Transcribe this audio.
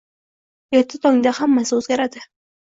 Erta tongda hammasi o‘zgaradi.